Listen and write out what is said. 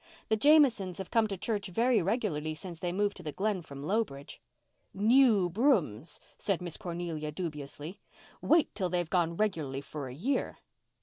"The Jamiesons have come to church very regularly since they moved to the Glen from Lowbridge." "New brooms!" said Miss Cornelia dubiously. "Wait till they've gone regularly for a year."